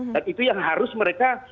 dan itu yang harus mereka